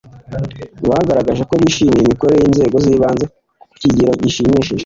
bagaragaje ko bishimiye imikorere y’inzego z’ibanze kukigero gishimishije